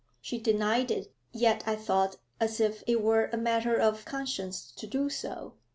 She denied it, yet, I thought, as if it were a matter of conscience to do so.'